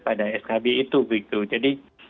pada skb itu begitu jadi